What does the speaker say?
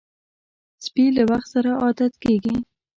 سپي له وخت سره عادت کېږي.